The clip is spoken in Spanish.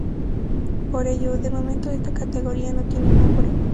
Por ello, de momento esta categoría no tiene nombre.